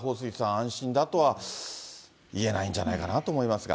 安心だとはいえないんじゃないかなと思いますが。